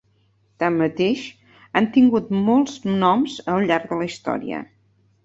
Tanmateix, han tingut molts noms al llarg de la història.